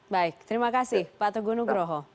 baik terima kasih pak teguh nugroho